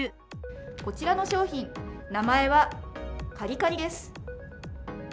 こちらの商品、名前は、カリカリです。